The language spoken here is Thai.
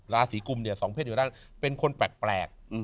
ราศีกุมเนี่ยสองเพศอยู่ด้านเป็นคนแปลก